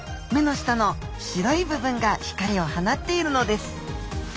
目の下の白い部分が光を放っているのです。